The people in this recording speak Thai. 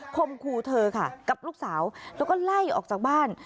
คมครูเธอค่ะกับลูกสาวแล้วก็ไล่ออกจากบ้าน